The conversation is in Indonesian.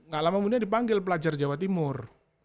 gak lama kemudian dipanggil pelajar jawa timur